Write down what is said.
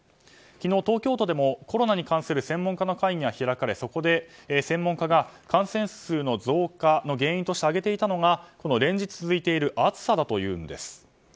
昨日東京都でもコロナに関する専門家の会議が開かれそこで専門家が感染者数の増加の原因として挙げていたのがこの連日続いている暑さだというんです。